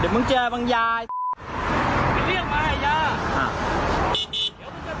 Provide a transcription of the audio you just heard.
มีคลิปก่อนนะครับ